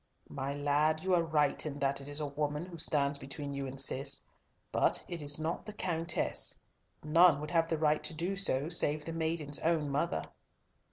"My lad, you are right in that it is a woman who stands between you and Cis, but it is not the Countess. None would have the right to do so, save the maiden's own mother."